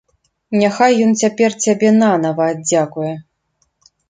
Няхай ён цяпер цябе нанава аддзякуе.